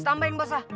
tambahin bos lah